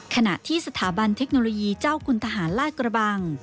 ขณะที่สถาบันเทคโนโลยีเจ้าคุณทหารลาดกระบัง